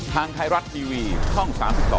ทางไทยรัฐทีวีช่อง๓๒